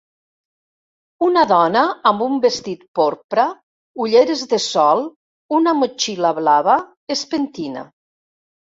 una dona amb un vestit porpra, ulleres de sol una motxilla blava es pentina